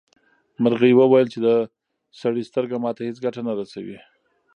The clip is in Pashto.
مرغۍ وویل چې د سړي سترګه ماته هیڅ ګټه نه رسوي.